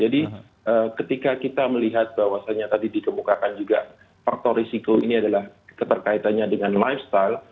jadi ketika kita melihat bahwasannya tadi dikemukakan juga faktor risiko ini adalah keterkaitannya dengan lifestyle